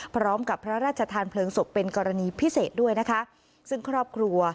พร้อมกับพระราชทานเพลิงศพเป็นกรณีพิเศษด้วยนะคะซึ่งครอบครัว